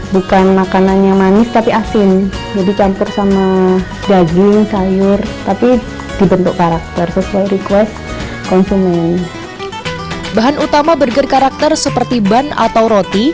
bahan utama burger karakter seperti bun atau roti